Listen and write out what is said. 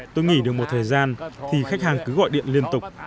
tôi nghỉ được một thời gian thì khách hàng cứ gọi điện liên tục